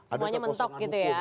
ada kekosongan hukum